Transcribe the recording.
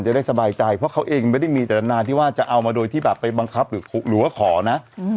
จะได้สบายใจเพราะเขาเองไม่ได้มีจตนาที่ว่าจะเอามาโดยที่แบบไปบังคับหรือว่าขอนะ